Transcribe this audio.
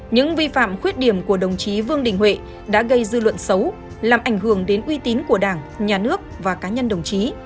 những vi phạm khuyết điểm của đồng chí vương đình huệ đã gây dư luận xấu làm ảnh hưởng đến uy tín của đảng nhà nước và cá nhân đồng chí